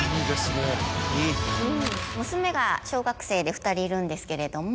娘が小学生で２人いるんですけれども。